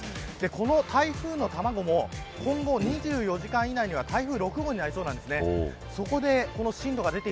この台風の卵も今後２４時間以内には台風６号になりそうです。